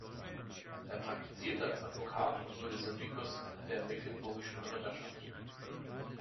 Er praktizierte als Advokat und wurde Syndicus der Mecklenburgischen Ritterschaft.